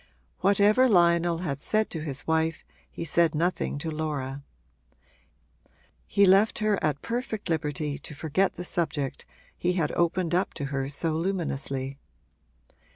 Whatever Lionel had said to his wife he said nothing to Laura: he left her at perfect liberty to forget the subject he had opened up to her so luminously.